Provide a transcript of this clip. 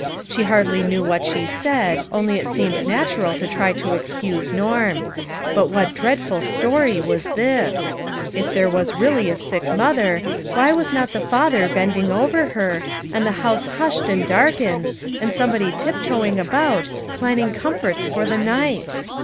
She hardly knew what she said, only it seemed natural to try to 'excuse Norm. But what dreadful story was this ! If there was really a sick mother, why was not the father bending over her, and the house hushed and darkened, and somebody tiptoeing about, plan ning comforts for the night?